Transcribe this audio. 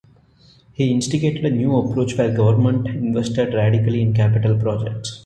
He instigated a new approach where Government invested radically in capital projects.